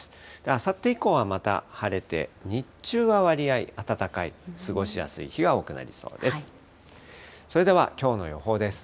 あさって以降はまた晴れて、日中はわりあい暖かい、過ごしやすい日が多くなりそうです。